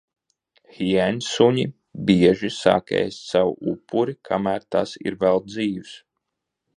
Hiēnsuņi bieži sāk ēst savu upuri, kamēr tas ir vēl dzīvs.